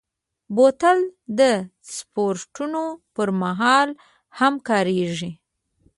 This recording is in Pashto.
بوتل د سپورټونو پر مهال هم کارېږي.